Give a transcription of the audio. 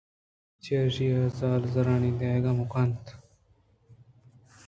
چرایشی ءَ زال ءَ زرّانی دئیگءَمکن کُت